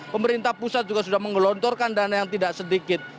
pemerintah pusat juga sudah menggelontorkan dana yang tidak sedikit